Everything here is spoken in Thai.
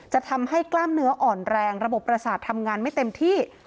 จะทำให้กล้ามเนื้ออ่อนแรงระบบประสาททำงานไม่เต็มที่